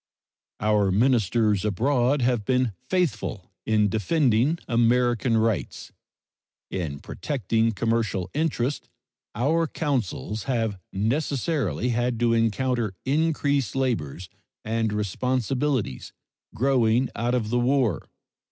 Our ministers abroad have been faithful in defending American rights. In protecting commercial interests our consuls have necessarily had to encounter increased labors and responsibilities growing out of the war.